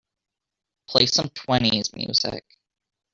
Play some twenties music